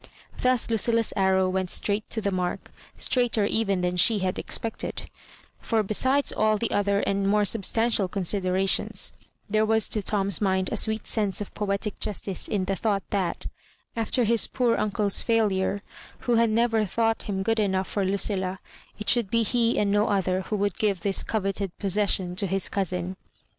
Thus Lucilla's arrow went straight to the mark^straighter even than she had expected; for besides all the other and more substantial considerations, there was to Tom's mind a sweet sense of poetic justice in the thought t^at, after his poor uncle's failure, who had never thought him good enough for Lucilla, it should be he and no other who would give this coveted possession to his cou sin.